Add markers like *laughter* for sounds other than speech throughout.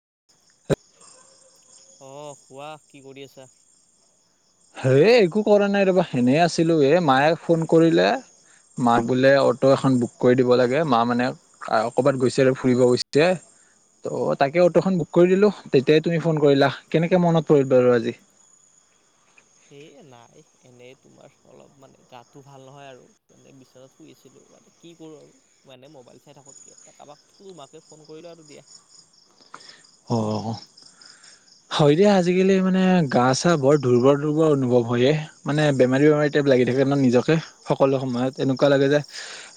*unintelligible* অহ কোৱা, কি কৰি আছা হে একো কৰা নাই ৰবা এনেই আছিলোঁ এই মায়ে ফোন কৰিলে মা বোলে অটো এখন বুক কৰি দিব লাগে মা মানে কৰবাত গৈছে আৰু ফুৰিব গৈছে, ত' তাকে অটোখন বুক কৰি দিলোঁ, তেতিয়াই তুমি ফোন কৰিলা কেনেকৈ মনত পৰিল বাৰু আজি এ নাই এনেই তোমাৰ অলপ মানে গাটো ভাল নহয় আৰু এনে বিচনাত শুইছিলোঁ মানে কি কৰোঁ আৰু এনেই মোবাইল চাই থকাতকে কাৰোবাক তোমাকে ফোন কৰিলো আৰু দিয়া অ হয় দিয়া আজিকালি মানে গা চা বৰ দুৰ্বল দুৰ্বল অনুভৱ হয়য়ে মানে বেমাৰী বেমাৰী টাইপ লাগি থাকে নহ নিজকে সকলো সময়ত এনেকুৱা লাগে যে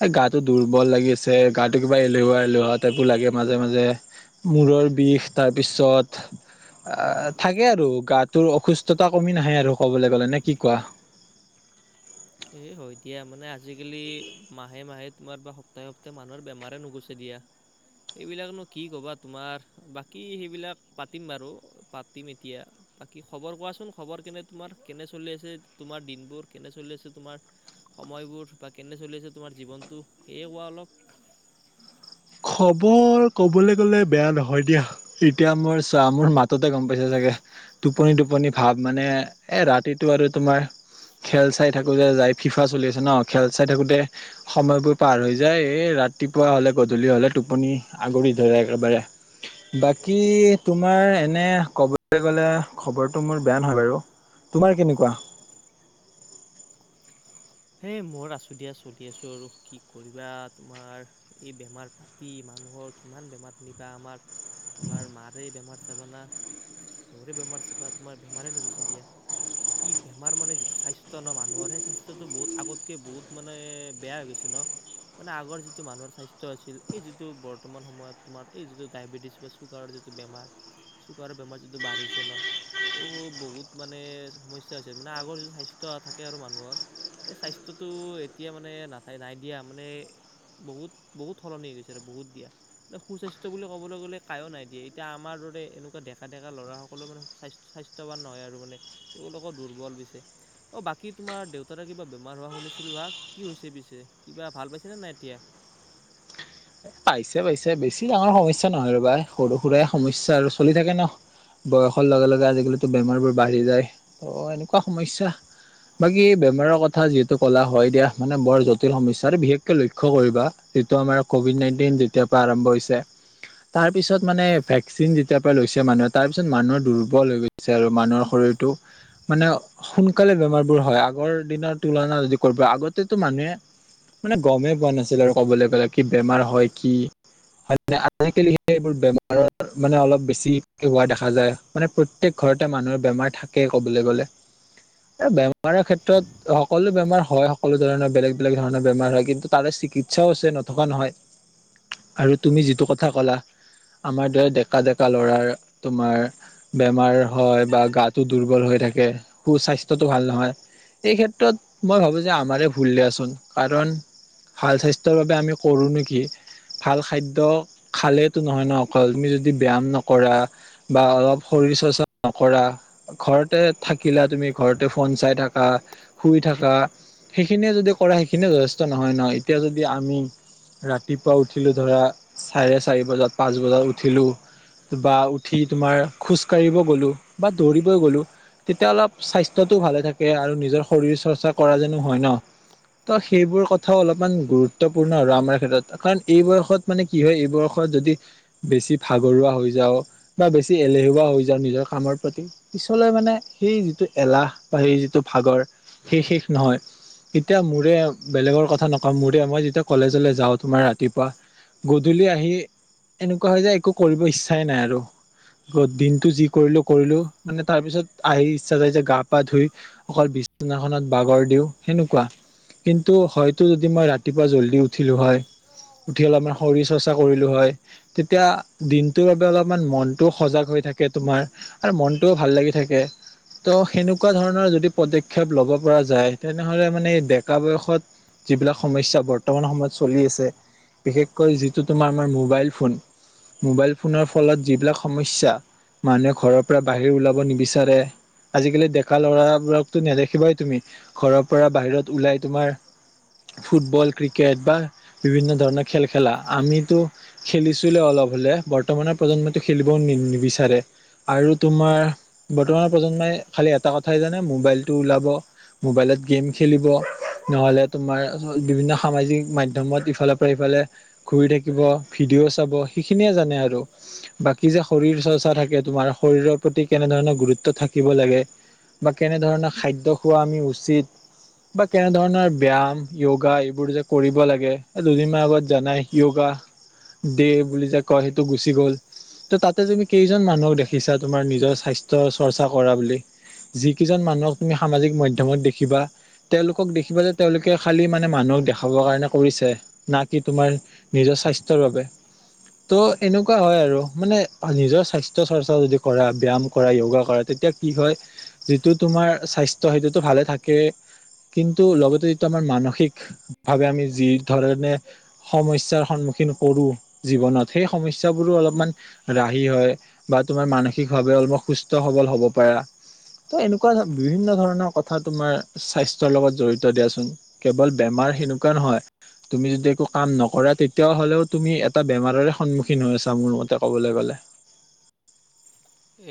এই গাটো দুৰ্বল লাগি আছে, গাটো কিবা এলেহুৱা এলেহুৱা টাইপো লাগে, মাজে মাজে মূৰৰ বিষ তাৰ পিছত থাকে আৰু গাটোৰ অসুস্থতা কমি নাহে আৰু কবলৈ গলে নে কি কোৱা এই হয় দিয়া মানে আজিকালি মাহে মাহে তোমাৰ বা সপ্তাহে সপ্তাহে মানুহৰ বেমাৰে নুগুছে দিয়া এইবিলাকনো কি ক'বা তোমাৰ বাকী সেইবিলাক পাতিম বাৰু পাতিম এতিয়া বাকী খবৰ কোৱাচোন খবৰ কেনে তোমাৰ কেনে চলি আছে তোমাৰ দিনবোৰ কেনে চলি আছে তোমাৰ সময়বোৰ বা কেনে চলি আছে তোমাৰ জীৱনটো সেয়ে কোৱা অলপ খবৰ ক'বলৈ গ'লে বেয়া নহয় দিয়া এতিয়া মোৰ চোৱা মোৰ মাততে গম পাইছে চাগে টোপনি টোপনি ভাৱ মানে এ ৰাতিটো আৰু তোমাৰ খেল চাই থাকোতে যাই ফিফা চলি আছে ন খেল চাই থাকোতে সময়বোৰ পাৰ হৈ যায় এ ৰাতিপুৱা হলে গ টোপনি আগুৰি ধৰে একেবাৰে বাকী তোমাৰ এনে ক'বলৈ গ'লে খবৰটো মোৰ বেয়া নহয় বাৰু তোমাৰ কেনেকুৱা হেই মোৰ আচো দিয়া চলি আছোঁ আৰু কি কৰিবা তোমাৰ এই বেমাৰ পাতি মানুহৰ কিমান বেমাৰ শুনিবা আমাৰ তোমাৰ মাৰে বেমাৰ চাবানা সিহৰে বেমাৰ চাবা তোমাৰ বেমাৰে নুগুছে দিয়া কি বেমাৰ মানে যিটো স্বাস্থ্য ন মানুহৰ সেই স্বাস্থ্যটো বহুত আগতকে বহুত মানে বেয়া হৈ গৈছে ন মানে আগৰ যিটো মানুহৰ স্বাস্থ্য আছিল এই যিটো বৰ্তমান সময়ত তোমাৰ এই যিটো ডায়েবেটিছ বা চুগাৰ যিটো বেমাৰ চুগাৰ বেমাৰ যিটো বাঢ়িছে ন ত' বহুত মানে সমস্যা হৈছে মানে আগৰ যিটো স্বাস্থ্য থাকে আৰু মানুহৰ এই স্বাস্থ্যটো এতিয়া মানে নাথাই নাই দিয়া মানে বহুত বহুত সলনি গৈছে আৰু বহুত দিয়া। মানে সুস্বাস্থ্য বুলি ক'বলৈ গ'লে কায়ো নাই দিয়ে এতিয়া আমাৰ দৰে এনেকুৱা ডেকা ডেকা ল'ৰাসকলৰ মানে সুস্বাস্থ্য স্বাস্থ্যৱান নহয় আৰু মানে তেওঁলোকৰ দুৰ্বল পিছে অ বাকী তোমাৰ দেউতাৰে কিবা বে বেমাৰ হোৱা শুনিছিলো হাক কি হৈছে পিছে কিবা ভাল পাইছেনে নাই এতিয়া পাইছে পাইছে বেছি ডাঙৰ সমস্যা নহয় ৰবা সৰু সুৰাই সমস্যা আৰু চলি থাকে ন বয়সৰ লগে লগে আজিকালিতো বেমাৰ বোৰ বাঢ়ি যায় ত এনেকুৱা সমস্যা বাকী বেমাৰৰ কথা যিহেতু কলা হয় দিয়া মানে বৰ জটিল সমস্যা আৰু বিশেষকে লক্ষ্য কৰিবা যিটো আমাৰ কভিড নাইন টিন যেতিয়াৰ পৰা আৰম্ভ হৈছে তাৰ পিছত মানে ভেকচিন যেতিয়া পৰা লৈছে মানুহে তাৰ পিছত মানুহৰ দুৰ্বল হৈ গৈছে আৰু মানুহৰ শৰীৰটো মানে সোনকালে বেমাৰবোৰ হয় আগৰ দিনৰ তুলনা যদি কৰিব আগতেতো মানুহে মানে গমেই পোৱা নাছিল আৰু ক'বলৈ গ'লে কি বেমাৰ হয় কি হয় নে আজিকালি সেই এইবোৰ বেমাৰৰ মানে অলপ বেছি হোৱা দেখা যায় মানে প্ৰত্যয়েক ঘৰতে মানুহৰ বেমাৰ থাকেই কবলৈ গলে বেমাৰৰ ক্ষেত্ৰত সকলো বেমাৰ হয় সকলো ধৰণৰ বেলেগ বেলেগ ধৰণৰ বেমাৰ হয় কিন্তু তাৰে চিকিৎসাও আছে নথকা নহয় আৰু তুমি যিটো কথা ক'লা আমাৰ দৰে ডেকা ডেকা ল'ৰাৰ তোমাৰ বেমাৰ হয় বা গাটো দুৰ্বল হৈ থাকে সুস্বাস্থ্যটো ভাল নহয় এই ক্ষেত্ৰত মই ভাবোঁ যে আমাৰে ভুল দিয়াচোন কাৰণ ভাল স্বাস্থ্যৰ বাবে আমি কৰোঁ নেকি ভাল খাদ্য খালে টো নহয় ন অকল তুমি যদি ব্যয়ায়াম নকৰা বা অলপ শৰীৰ চৰ্চা নকৰা ঘৰতে থাকিলা তুমি ঘৰতে ফোন চাই থাকা শুই থাকা সেইখিনিয়ে যদি কৰা সেইখিনিয়ে যথেষ্ট নহয় ন এতিয়া যদি আমি ৰাত ৰাতিপুৱা উঠিলোঁ ধৰা চাৰে চাৰি বজাত পাঁচ বজাত উঠিলোঁ বা উঠি তোমাৰ খোজকাঢ়িব গ'লোঁ বা দৌৰিবই গ'লোঁ তেতিয়া অলপ স্বাস্থ্যটো ভালে থাকে আৰু নিজৰ শৰীৰ চৰ্চা কৰা যেনো হয় ন ত সেইবোৰ কথাও অলপমান গুৰুত্বপূৰ্ণ আৰু আমাৰ ক্ষেত্ৰত এইখন এই বয়সত মানে কি হয়, এই বয়সত যদি বেছি ভাগৰুৱা হৈ যাও বা বেছি এলেহুৱা হৈ যাও নিজৰ কামৰ প্ৰতি পিছলৈ মানে, সেই যিটো এলাহ বা সেই যিটো ভাগৰ সেই শেষ নহয়। এতিয়া মোৰে বেলেগৰ কথা নকও, মোৰে মই যেতিয়া কলেজলৈ যাও। তোমাৰ ৰাতিপুৱা গধূলি আহি এনেকুৱা হয় যে একো কৰিব ইচ্ছাই নাই আৰু গ দিনটো যি কৰিলো - কৰিলো। মানে তাৰপিছত আহি ইচ্ছা যায় যে গা পা ধুই অকল বিছনাখনত বাগৰ দি। উহ, কেনেকুৱা কিন্তু হয়তো দিনা ৰাতিপুৱা জল্দি উঠিলো হয়। উঠি পেলায় মই শৰীৰ চৰ্চা কৰিলো হয়, তেতিয়া দিন। তো এডালত ইমান মনটোও সজাগ হৈ থাকে তোমাৰ, এই মনটো ভাল লাগি থাকে। ত 'সেনেকুৱা ধৰ অ, যদি পদক্ষেপ ল'ব পৰা যায়, তেনেহ'লে মানে ডেকা বয়সত যিবিলাক সমস্যা বৰ্তমান সময়ত চলি আছে। বিশেষকৈ যিটো তোমাৰ আমাৰ মোবাইল ফোন। মোবাইল। ফোনৰ ফলত যিবিলাক সমস্যা, মানুহে ঘৰৰ পৰা বাহিৰ ওলাব নিবিচাৰে। আজিকালি ডেকা ল'ৰাবোৰক। টোকা নেৰে। সবাই তুমি ঘৰৰ পৰা বাহিৰত ওলাই, তোমাৰ ফুটবল ক্ৰিকেট বা। বিভিন্ন ধৰণৰ খেল খেলা। আমিতো খেলিছোলো অলপ হ'লে, বৰ্তমানৰ প্ৰজন্মইো খেলিবও নি নিবিচাৰে, আৰু তোমাৰ আমাৰ বৰ্তমান প্ৰজন্মই খালি এটা কথাই জানে, মোবাইলতটো ওলাব, মোবাইলত গেম খেলিব নহ'লে। তোমাৰ আজি বিভিন্ন সামাজিক মাধ্যমত। ইফালৰ পৰা ইফালে ঘুৰি থাকিব ভিডিঅ' চাব, সেইখিনিয়ে জানে আৰু বাকী যে শৰীৰ চৰ্চা থাকে। তোমাৰ শৰীৰৰ প্ৰতি কেনে ধৰণৰ গুৰুত্ব থাকিব লাগে, বা কেনে ধৰণৰ খাদ্য খোৱা আমি উচিত বা কেনে ধৰণৰ? ব্যায়াম, য়োগা এইবোৰ যে কৰিব লাগে। দুদিন মান আগত জানাই য়োগা দে বুলি যে কয়। সেইটো গুচি গ'ল তাতে তুমি কেইজন মানুহক দেখিছা? তোমাৰ নিজৰ স্বাস্থ্যৰ চৰ্চা কৰা বুলি, যিকেইজন মানুহক তুমি সামাজিক মাধ্যমত দেখিবা, তেওঁলোকক দেখিবা যে তেওঁলোকে। কে খালী মানে মানুহক দেখাবৰ কাৰণে কৰিছে। বাকী তোমাৰ। নিজৰ স্বাস্থ্যৰ বাবে টো এনেকুৱা হয় আৰু মানে। নিজৰ স্বাস্থ্যৰ চৰ্চা যদি কৰা ব্যাম কৰা, য়োগা কৰা, তেতিয়া কি হয়, যিটো তোমাৰ স্বাস্থ্য হেবিতটো ভালে থাকে। কিন্তু লগতে দুটামান মানসিক। ভাবে আমি যি। নে সমস্যাৰ সন্মুখীন কৰো। জীৱনত সেই সমস্যাবোৰো অলপমান ৰাহি হয় বা তোমাৰ মানসিকভাৱে অলপ সুস্থ সৱল হ'ব পাৰা। তো এনেকুৱা বিভিন্ন ধৰণৰ কথা তোমাৰ স্বাস্থ্যৰ লগত জড়িত দিয়াচোন। কেৱল বেমাৰ সেনেকুৱা নহয়। তুমি যদি একো কাম নকৰা, তেতিয়া হ'লেও তুমি এটা বেমাৰৰ। সম্মুখীন হৈছা, মোৰ মতে ক'বলৈ গ'লে।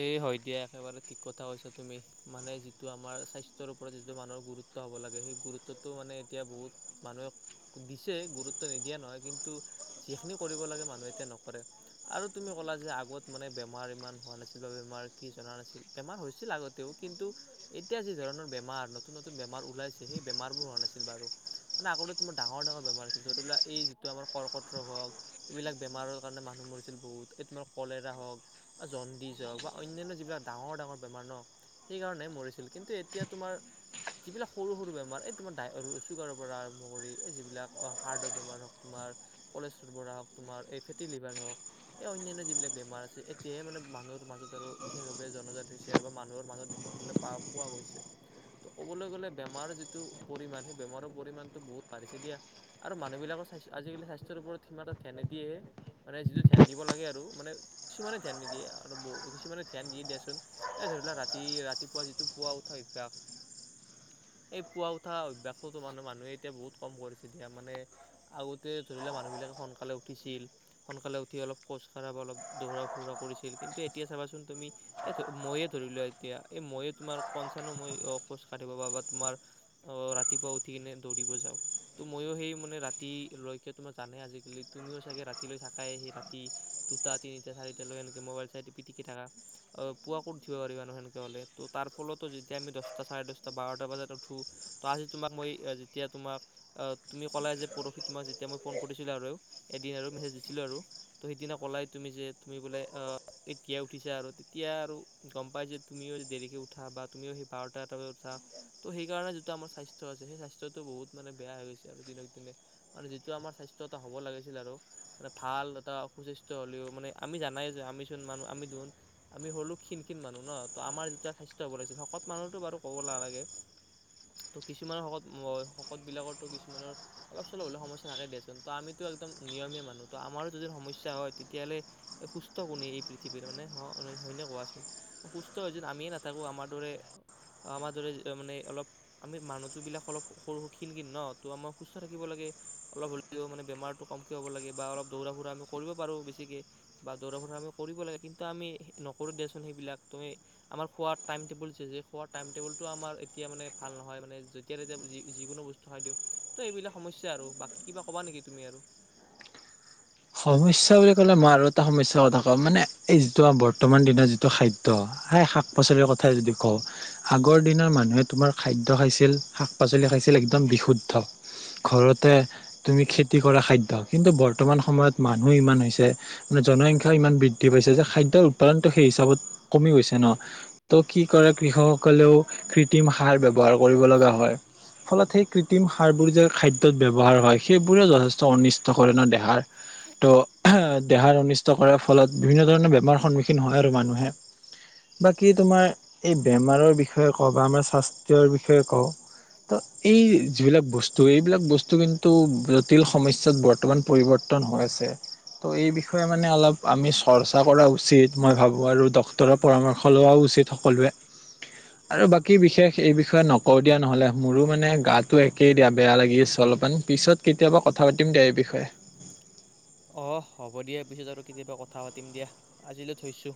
এই হয় দিয়া একেবাৰে ঠিক কথা কৈছা তুমি মানে যিটো আমাৰ স্বাস্থ্যৰ ওপৰত যিটো মানুহৰ গুৰুত্ব হ'ব লাগে সেই গুৰুত্বটো মানে এই হয় দিয়া এইবাৰ ঠিক কথা কৈছা তুমি এতিয়া মানে যিটো আমাৰ স্বাস্থ্যৰ পৰা যিটো মানুহে দিছে গুৰুত্ব হব লাগে সেইটগ্ এতিয়া নকৰে আৰু তুমি ক'লা যে আগত মানে বেমাৰ ইমান হোৱা নাছিল। বেমাৰ কি চনত আছিল বেমাৰ হৈছিল আগতেও কিন্তু এতিয়া যি ধৰণৰ বেমাৰ নতুন নতুন বেমাৰ ওলাইছে সেই বেমাৰ বোৰ হোৱা নাছিল বাৰু। মানে আগতে তোমাৰ ডাঙৰ ডাঙৰ বেমাৰ হৈছিল ধৰি লোৱা এই যিটো আমাৰ কৰ্কট ৰোগ হওঁক সেইবিলাকৰ বেমাৰৰ কাৰনে মানু্হ মৰিছিল বহুত। এ ধৰা কলেৰা হওক, জণ্ডিচ হওক বা অন্যান্য যিবিলাক ডাঙৰ ডাঙৰ বেমাৰ ন সেইকাৰণে মৰিছিল। কিন্তু এতিয়া তোমাৰ যিবিলাক সৰু সৰু বেমাৰ এ তোমাৰ ডাই, ছুগাৰ পৰা আৰম্ভ কৰি যিবিলাক হাৰ্টৰ বেমাৰ হওঁক তোমাৰ, কলেচ ৰোগ হওঁক তোমাৰ, এ ফেটি লিভাৰ হওঁক অ অন্যান্য যিবিলাক বেমাৰ আছে, এতিয়া হে মানে মানু্হ টো মাজত আৰু বিশেষভাৱে জনজাত হৈছে আৰু মানুহৰ মাজত দেখি পা পোৱা গৈছে। ত' ক'বলৈ গ'লে বেমাৰৰ যিটো পৰিমাণ হে বেমাৰ পৰিমাণ টো বহুত বাঢ়িছে দিয়া। আৰু মানুহ বিলাক স্বাস্থ্যৰ আজিকালি স্বাস্থ্যৰ উপৰত সিমান এটা ধ্যান নিদিয়ে হে, মানে যিটো ধ্যান দিব লাগে আৰু মানে কিছুমানে ধ্যান নিদিয়ে। আৰু বহু কিছুমানে ধ্যান দিয়া দিয়াচোন এই ধৰি লোৱা ৰাতি ৰাতিপুৱা যিটো পুৱা উঠা অভ্যাস সেই পুৱা উঠা অভ্যাসতো মানে মানুহে এতিয়া বহুত কম কৰিছে দিয়া মানে আগতে ধৰি লোৱা মানুহবিলাকে সোনকালে উঠিছিল সোনকালে উঠি অলপ খোজ খোজকাঢ়াব অলপ দৌৰা ফুৰা কৰিছিল কিন্তু এতিয়া চাবাচোন তুমি এ ময়ে ধৰিলোৱা এতিয়া এই মইয়ে তোমাৰ কনচানো মই খোজ কাঢ়িব বা বা তোমাৰ অ ৰাতিপুৱা উঠি কিনে দৌৰিব যাওঁ ত ময়ো সেই মানে ৰাতিলৈকে তোমাৰ জানে আজিকালি তুমিও চাগে ৰাতিলৈ থাকাই সেই ৰাতি দুটা তিনিটা চাৰিট লৈ একে মোবাইল পিটিকি থাকা আ, পুৱা ক'ত উঠিব পাৰিবানো সেনেকে হ'লে, ত' তাৰ ফলতো যেতিয়া আমি দচটা, চাৰে দচটা, বাৰটা বজাত উঠো, ত' আজি তোমাক মই যেতিয়া তোমাক‌ অ', তুমি ক'লাই যে, পৰহি তোমাক যেতিয়া মই ফোন কৰিছিলোঁ আৰু এদিন আৰু মেছেজ দিছিলোঁ আৰু ত' সেইদিনা ক'লাই তুমি যে, তুমি বোলে আ এতিয়াই উঠিছা আৰু তেতিয়া আৰু গম পাই যে, তুমিও দেৰিকে উঠা বা তুমিও সেই বাৰটা, এটা বজাত উঠা, ত' সেই কাৰণে যিটো আমাৰ স্বাস্থ্য আছে সেই স্বাস্থ্যটো বহুত মানে বেয়া হৈ গৈছে আৰু দিনক দিনে মানে যিটো আমাৰ স্বাস্থ্য এটা হ'ব লাগিছিল আৰু মানে ভাল এটা সুস্বাস্থ্য হ'লেও মানে আমি জানাই যে, আমি *unintelligible* আমি হলোঁ ক্ষীণ, ক্ষীণ মানুহ ন? ত' আমাৰ যেতিয়া স্বাস্থ্য হ'ব লাগিছিল শকত মানুহটো বাৰু ক'ব নালাগে, ত' কিছুমানৰ শকত, শকত বিলাকৰো কিছুমানৰ অলপ চলপ হ'লে সমস্যা থাকে দেচোন, ত' আমিতো একদম নিয়মীয়া মানুহ, ত' আমাৰো যদি সমস্যা হয়, তেতিয়াহ'লে সুস্থ কোন এই পৃথিৱীৰ মানে হ, হয়নে কোৱাচোন? সুস্থ হৈ যে, আমিয়ে নাথাকোঁ আমাৰ দৰে, আমাৰ দৰে মানে অলপ আমি মানুহটোবিলাক অলপ সৰু, সৰু ক্ষীণ, ক্ষীণ ন, ত'আমাৰ সুস্থ থাকিব লাগে অলপ হ'লেও মানে বেমাৰটো কমকৈ হ'ব লাগে বা অলপ দৌৰা ফুৰা আমি কৰিব পাৰোঁ বেছিকে বা দৌৰা ফুৰা আমি কৰিব লাগে কিন্তু আমি নকৰোঁ দিয়াচোন, সেইবিলাক তুমি আমাৰ খোৱাৰ টাইম টেবুল যে, যে, খোৱাৰ টাইম টেবুলটো আমাৰ এতিয়া মানে ভাল নহয় মানে যেতিয়া তেতিয়া যিকোনো বস্তু খাই দিওঁ, ত' এইবিলাক সমস্যা আৰু বাকী কিবা ক'বা নেকি তুমি আৰু? সমস্যা বুলি ক'লে মই আৰু এটা সমস্যাৰ কথা কম মানে এই যিটো বৰ্তমান দিনৰ যিটো খাদ্য সেই শাক পাচলিৰ কথাই যদি কওঁ, আগৰ দিনৰ মানুহে তোমাৰ খাদ্য খাইছিল, শাক পাচলি খাইছিল, একদম বিশুদ্ধ, ঘৰতে তুমি খেতি কৰা খাদ্য কিন্তু বৰ্তমান সময়ত মানুহ ইমান হৈছে মানে জনসংখ্যাও ইমান বৃদ্ধি পাইছে যে, খাদ্যৰ উৎপাদনটো সেই হিচাপত কমি গৈছে ন? ত' কি কৰে, কৃষকসকলেও কৃত্ৰিম সাৰ ব্যৱহাৰ কৰিব লগা হয়, ফলত সেই কৃত্ৰিম সাৰবোৰ যে, খাদ্যত ব্যৱহাৰ হয়, সেইবোৰে যথেষ্ট অনিষ্ট কৰে ন দেহাৰ ত' দেহাৰ অনিষ্ট কৰাৰ ফলত বিভিন্ন ধৰণৰ বেমাৰৰ সন্মুখীন হয়, আৰু মানুহে বাকী তোমাৰ এই বেমাৰৰ বিষয়ে কওঁ বা আমাৰ স্বাস্থ্যৰ বিষয়ে কওঁ, ত' এই যিবিলাক বস্তু এইবিলাক বস্তু কিন্তু জটিল সমস্যাত বৰ্তমান পৰিব *unintelligible* ত' এই বিষয়ে মানে অলপ আমি চৰ্চা কৰা উচিত মই ভাবোঁ আৰু ডক্তৰৰ পৰামৰ্শ লোৱা উচিত সকলোৱে, আৰু বাক কি বিশেষ এই বিষয়ে নকওঁ দিয়া নহ'লে, মোৰো মানে গাটো একেই দিয়া বেয়া লাগি অলপমান পিছত কেতিয়াবা কথা পাতিম দিয়া এই বিষয়ে। অ', হ'ব দিয়া, পিছত আৰু কেতিয়াবা কথা পাতিম দিয়া আজিলৈ থৈছোঁ।